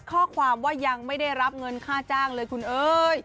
ข้อความว่ายังไม่ได้รับเงินค่าจ้างเลยคุณเอ้ย